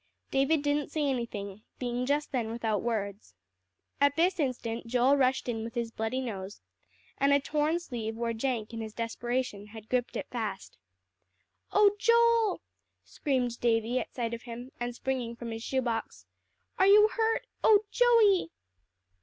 David didn't say anything, being just then without words. At this instant Joel rushed in with his bloody nose, and a torn sleeve where Jenk in his desperation had gripped it fast. "Oh Joel!" screamed Davie at sight of him, and springing from his shoe box. "Are you hurt? Oh Joey!"